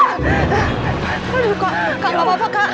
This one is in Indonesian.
aduh kak kak apa apa kak